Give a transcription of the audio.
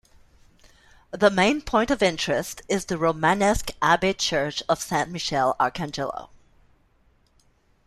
The main point of interest is the Romanesque abbey church of "San Michele Arcangelo".